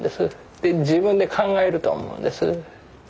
で自分で考えると思うんです。